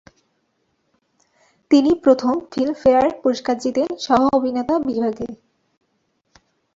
তিনি প্রথম ফিল্মফেয়ার পুরস্কার জিতেন, সহ-অভিনেতা বিভাগে।